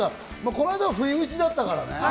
この間は不意打ちだったからね。